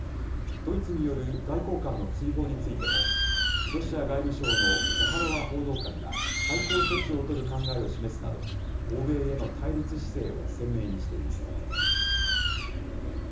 ドイツによる外交官の追放についても、ロシア外務省のザハロワ報道官が、対抗措置を取る考えを示すなど、欧米への対立姿勢を鮮明にしています。